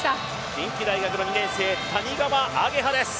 近畿大学の２年生谷川亜華葉です。